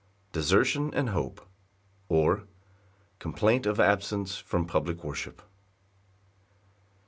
Desertion and hope; or, Complaint of absence from public worship.